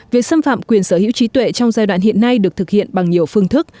việc xâm phạm quyền sở hữu trí tuệ trong giai đoạn hiện nay được thực hiện bằng nhiều phương thức